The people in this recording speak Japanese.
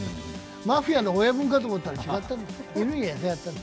マフィアの親分かと思ったら違った、犬に餌やった。